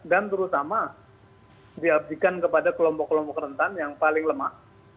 dan terutama diabdikan kepada kelompok kelompok rentan yang paling lemah